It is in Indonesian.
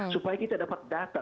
supaya kita dapat data